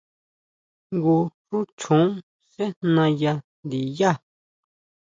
Jngu xú choon sejna yá ndiyá.